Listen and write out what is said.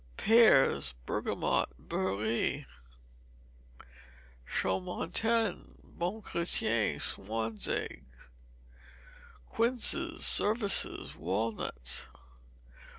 Pears: Bergamot, beurré, Chaumontel, Bon Chrétien, swan's egg. Quinces, services, walnuts.